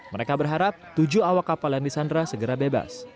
mereka berharap tujuh awak kapal yang disandra segera bebas